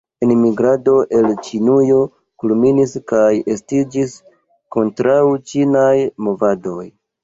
Enmigrado el Ĉinujo kulminis kaj estiĝis kontraŭ-ĉinaj movadoj.